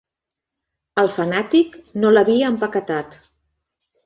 El fanàtic no l'havia empaquetat.